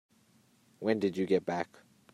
When did you get back?